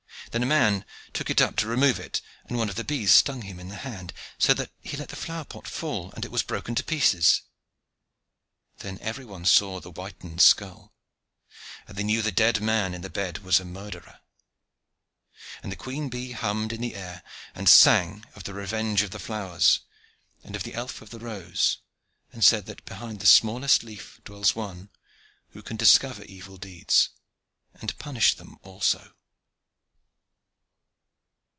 Then a man took it up to remove it, and one of the bees stung him in the hand, so that he let the flower pot fall, and it was broken to pieces. Then every one saw the whitened skull, and they knew the dead man in the bed was a murderer. And the queen bee hummed in the air, and sang of the revenge of the flowers, and of the elf of the rose and said that behind the smallest leaf dwells One, who can discover evil deeds, and punish them also.